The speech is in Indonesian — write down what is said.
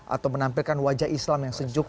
atau menampilkan wajah islam yang sejuk